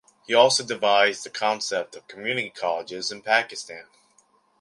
He also devised the concept of community colleges in Pakistan.